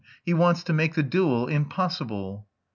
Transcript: He wants to make the duel impossible!"